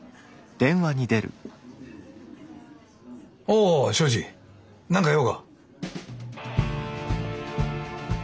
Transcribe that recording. おお庄司何か用か？